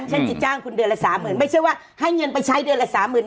ฉันจะจ้างคุณเดือนละ๓๐๐๐ไม่ใช่ว่าให้เงินไปใช้เดือนละสามหมื่น